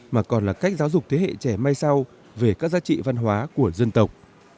mà còn là cách giáo dục thế hệ trẻ mai sau về các giá trị văn hóa của dân tộc